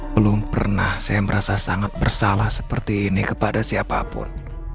belum pernah saya merasa sangat bersalah seperti ini kepada siapapun